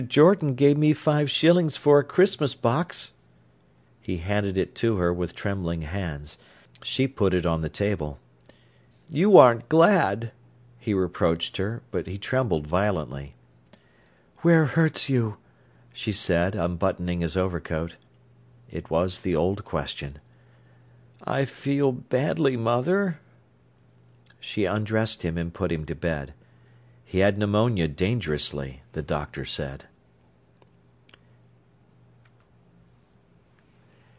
Jordan gave me five shillings for a Christmas box!" He handed it to her with trembling hands. She put it on the table. "You aren't glad!" he reproached her; but he trembled violently. "Where hurts you?" she said, unbuttoning his overcoat. It was the old question. "I feel badly, mother." She undressed him and put him to bed. He had pneumonia dangerously, the doctor said.